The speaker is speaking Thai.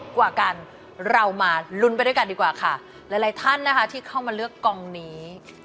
กว่ากันเรามาลุ้นไปด้วยกันดีกว่าค่ะหลายท่านนะคะที่เข้ามาเลือกกองนี้